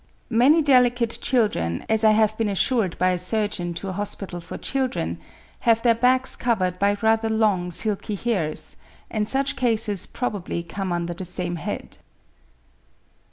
Many delicate children, as I have been assured by a surgeon to a hospital for children, have their backs covered by rather long silky hairs; and such cases probably come under the same head.